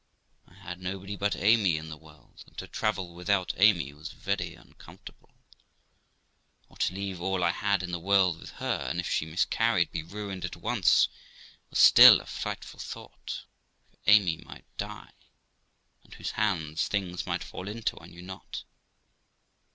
I had nobody but Amy in the world, and to travel without Amy was very uncomfortable, or to leave all I had in the world with her, and, if she miscarried, be ruined at once, was still a frightful thought ; for Amy might die, and whose hands things might fall into I knew not.